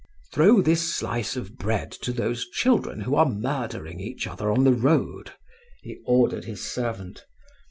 "Throw this slice of bread to those children who are murdering each other on the road," he ordered his servant.